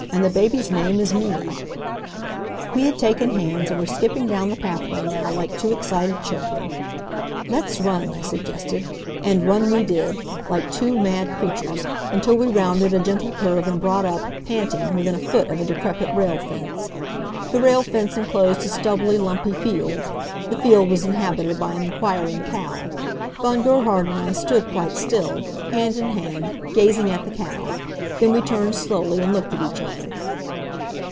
And the baby's name is Mimi!" We had taken hands and were skipping down the pathway now, like two excited children. "Let's run," I suggested. And run we did, like two mad creatures, until we rounded a gentle curve and brought up, panting, within a foot of a decrepit rail fence. The rail fence enclosed a stubbly, lumpy field. The field was inhabited by an inquiring cow. Von Gerhard and I stood quite still, hand in hand, gazing at the cow. Then we turned slowly and looked at each other.